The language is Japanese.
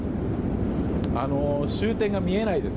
終点が見えないです。